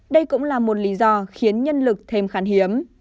đây cũng là một lý do khiến nhân lực thêm khán hiếm